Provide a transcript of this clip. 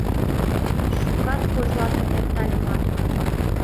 Шукат кожлатым эртальымат